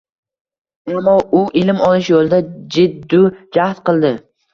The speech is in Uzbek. Ammo u ilm olish yo‘lida jiddu jahd qildi